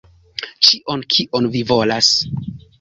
Ĉion kion vi volas.